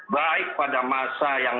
baik pada masa yang